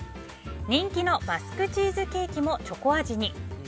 人気のバスクチーズケーキもチョコ味に。